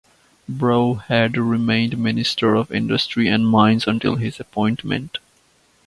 Brou had remained Minister of Industry and Mines until his appointment.